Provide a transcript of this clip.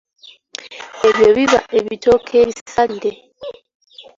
Ebyo biba ebitooke ebisalire.